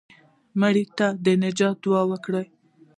مړه ته د نجات دعا کوو